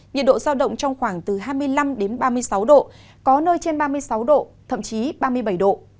nhiệt độ giao động trong khoảng từ hai mươi năm ba mươi sáu độ có nơi trên ba mươi sáu độ thậm chí ba mươi bảy độ